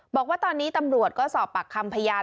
บอกว่าตอนนี้ตำรวจก็สอบปากคำพยาน